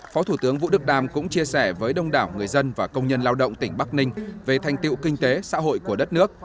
phó thủ tướng vũ đức đam cũng chia sẻ với đông đảo người dân và công nhân lao động tỉnh bắc ninh về thành tiệu kinh tế xã hội của đất nước